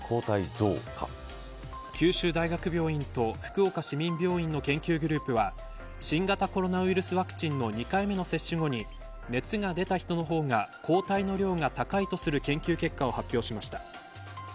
九州大学病院と福岡市民病院の研究グループは新型コロナウイルスワクチンの２回目の接種後に熱が出た人の方が抗体の量が高いとする研究結果を発表しました。